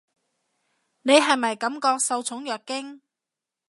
你係咪感覺受寵若驚？